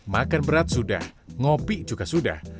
makan berat sudah ngopi juga sudah